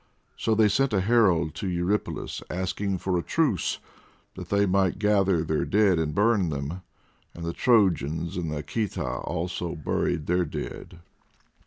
So they sent a herald to Eurypylus, asking for a truce, that they might gather their dead and burn them, and the Trojans and Khita also buried their dead.